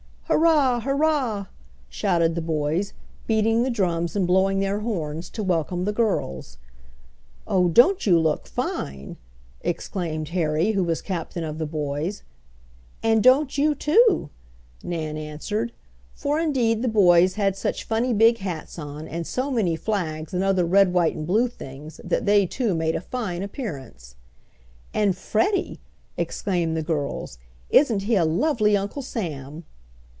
"Hurrah! hurrah!" shouted the boys, beating the drums and blowing their horns to welcome the girls. "Oh, don't you look fine!" exclaimed Harry, who was captain of the boys. "And don't you too!" Nan answered, for indeed the boys had such funny big hats on and so many flags and other red white and blue things, that they too made a fine appearance. "And Freddie!" exclaimed the girls. "Isn't he a lovely Uncle Sam!"